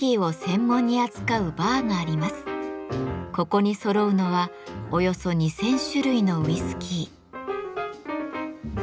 ここにそろうのはおよそ２，０００種類のウイスキー。